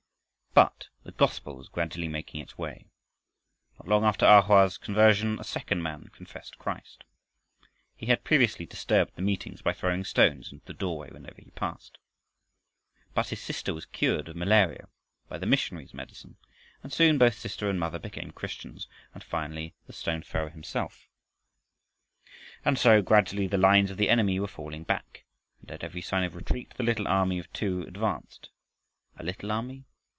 But the gospel was gradually making its way. Not long after A Hoa's conversion a second man confessed Christ. He had previously disturbed the meetings by throwing stones into the doorway whenever he passed. But his sister was cured of malaria by the missionary's medicine, and soon both sister and mother became Christians, and finally the stone thrower himself. And so, gradually, the lines of the enemy were falling back, and at every sign of retreat the little army of two advanced. A little army?